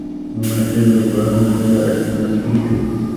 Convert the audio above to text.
لمسی له قرآنه سره اشنا کېږي.